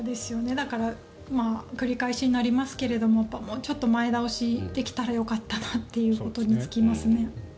だから繰り返しになりますけどももうちょっと前倒しできたらよかったなということに尽きますね。